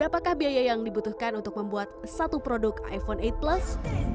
apakah biaya yang dibutuhkan untuk membuat satu produk iphone delapan plus